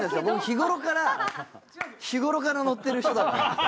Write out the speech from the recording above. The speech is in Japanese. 僕日頃から日頃からのってる人だから。